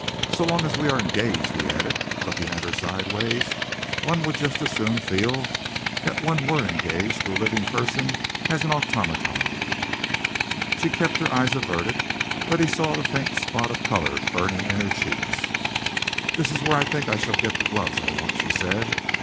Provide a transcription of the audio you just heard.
So long as we are engaged," he added, looking at her sideways, "one would just as soon feel that one were engaged to a living person as an automaton." She kept her eyes averted, but he saw the faint spot of color burning in her cheeks. "This is where I think I shall get the gloves I want," she said.